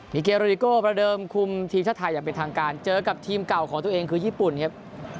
ิเกโรดิโก้ประเดิมคุมทีมชาติไทยอย่างเป็นทางการเจอกับทีมเก่าของตัวเองคือญี่ปุ่นครับ